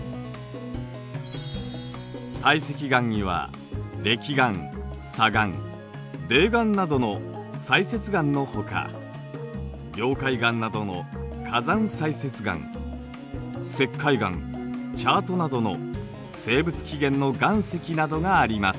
堆積岩にはれき岩砂岩泥岩などの砕屑岩のほか凝灰岩などの火山砕屑岩石灰岩チャートなどの生物起源の岩石などがあります。